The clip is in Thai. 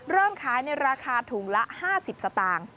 เริ่มขายในราคาถุงละ๕๐สตางค์